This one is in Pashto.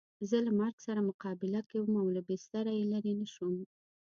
زه له مرګ سره مقابله کې وم او له بستره یې لرې نه شوم.